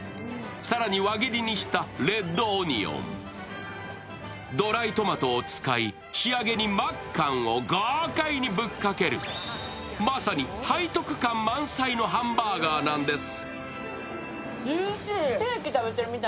更に、輪切りにしたレッドオニオンドライトマトを使い、仕上げにマッカンを豪快にぶっかけるまさに背徳感満載のハンバーガーなんです。